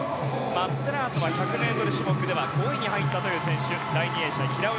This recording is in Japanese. マッツェラートは１００ｍ種目で５位に入ったという選手です。